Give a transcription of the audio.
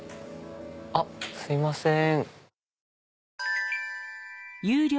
あっすいません。